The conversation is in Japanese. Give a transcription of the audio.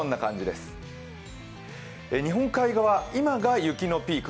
日本海側、今が雪のピーク